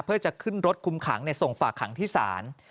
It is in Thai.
เพื่อจะขึ้นรถคุมขังส่งฝากขังที่ศาล